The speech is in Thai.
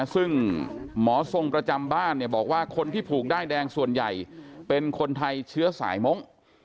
ซึ่งหมอทรงประจำบ้านบอกว่าคนที่ผูกด้ายแดงส่วนใหญ่เป็นคนไทยเชื้อสายมง